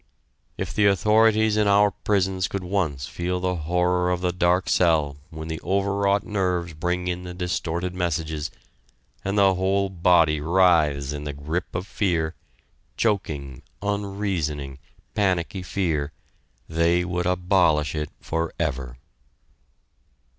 If the authorities in our prisons could once feel the horror of the dark cell when the overwrought nerves bring in the distorted messages, and the whole body writhes in the grip of fear, choking, unreasoning, panicky fear, they would abolish it forever.